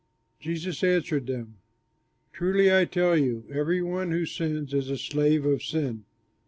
Jesus answered them, "Truly, I tell you, every one who sins is a slave of sin.